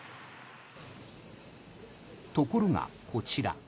ところが、こちら。